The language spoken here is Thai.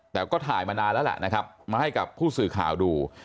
แต่ก็ถ่ายมานานแล้วล่ะนะครับมาให้กับผู้สื่อข่าวดู